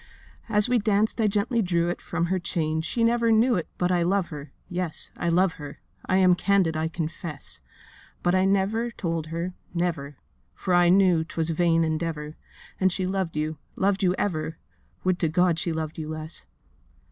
'As we danced I gently drew it From her chain—she never knew it But I love her—yes, I love her: I am candid, I confess. But I never told her, never, For I knew 'twas vain endeavour, And she loved you—loved you ever, Would to God she loved you less!